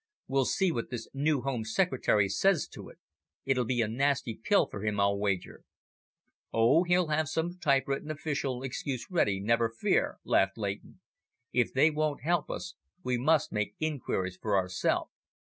We'll see what this new Home Secretary says to it! It'll be a nasty pill for him, I'll wager." "Oh, he'll have some typewritten official excuse ready, never fear," laughed Leighton. "If they won't help us, we must make inquiries for ourselves."